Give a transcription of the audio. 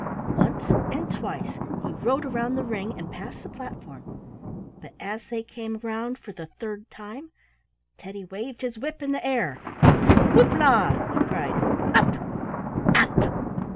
Once and twice he rode round the ring and past the platform, but as they came round for the third time, Teddy waved his whip in the air. "Houp la!" he cried. "Up! up!"